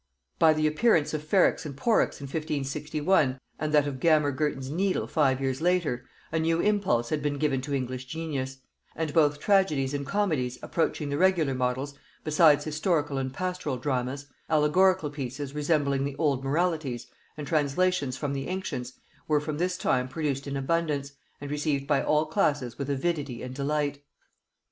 By the appearance of Ferrex and Porrex in 1561, and that of Gammer Gurton's Needle five years later, a new impulse had been given to English genius; and both tragedies and comedies approaching the regular models, besides historical and pastoral dramas, allegorical pieces resembling the old moralities, and translations from the ancients, were from this time produced in abundance, and received by all classes with avidity and delight.